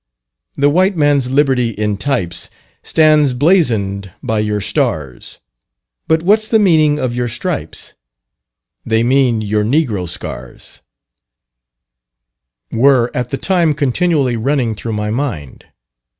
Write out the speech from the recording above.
The white man's liberty in types, Stands blazoned by your stars; But what's the meaning of your stripes, They mean your Negro scars" were at the time continually running through my mind.